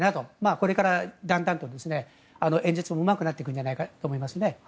これからだんだんと演説もうまくなっていくんじゃないかと思いますね。